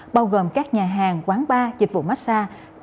bao gồm các nhà hàng quán bar dịch vụ massage